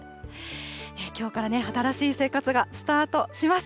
きょうからね、新しい生活がスタートします。